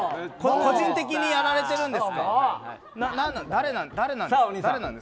個人的にやられてるんですか？